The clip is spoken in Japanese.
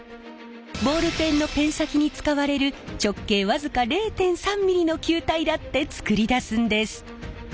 ボールペンのペン先に使われる直径僅か０．３ｍｍの球体だって作り出すんです！